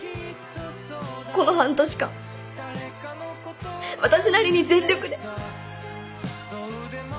この半年間私なりに全力で。